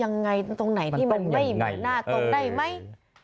ยังไงตรงไหนที่มันไม่มีหน้าตรงได้ไหม